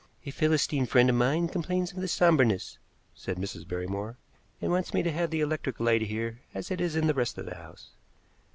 "A Philistine friend of mine complains of the somberness," said Mrs. Barrymore, "and wants me to have the electric light here as it is in the rest of the house.